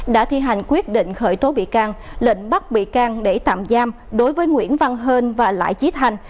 đã thi hành quyết định khởi tố bị can lệnh bắt bị can để tạm giam đối với nguyễn văn hên và lại trí thành